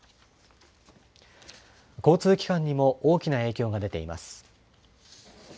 交通機関にも大きな影響が出ています。